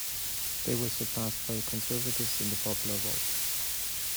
They were surpassed by the Conservatives in the popular vote.